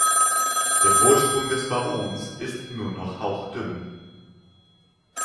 Der Vorsprung des Barons ist nur noch hauchdünn.